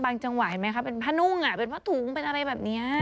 บางจังหวะเห็นไหมครับเป็นภาพนุ่งภาพฐุ้งเป็นอะไรแบบนี้